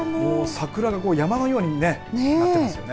桜が山のようになってますよね。